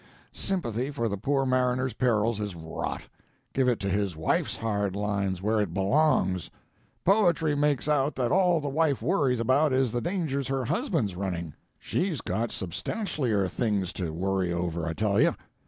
Sympathy for the poor mariner's perils is rot; give it to his wife's hard lines, where it belongs! Poetry makes out that all the wife worries about is the dangers her husband's running. She's got substantialer things to worry over, I tell you.